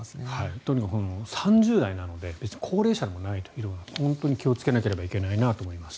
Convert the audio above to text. とにかく３０代なので別に高齢者でもないというのが本当に気をつけなければいけないなと思います。